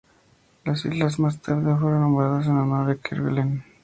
Las islas, más tarde, fueron nombradas en honor de Kerguelen.